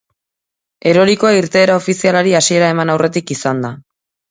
Erorikoa irteera ofizialari hasiera eman aurretik izan da.